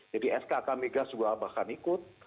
jadi skk migas juga bahkan ikut